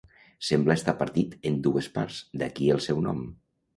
Sembla estar partit en dues parts, d'aquí el seu nom.